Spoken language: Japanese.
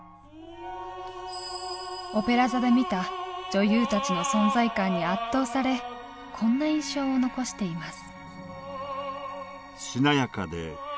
オペラ座で見た女優たちの存在感に圧倒されこんな印象を残しています。